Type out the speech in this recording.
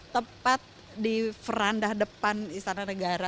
tepat di frandah depan istana negara